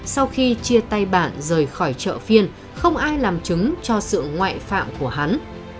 sau khi chia tay bạn rời khỏi chợ phiên không ai làm chứng cho sự ngoại phạm của hắn